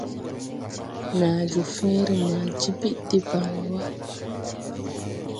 Nàa joo fẽẽre ma jibid debaŋ wà.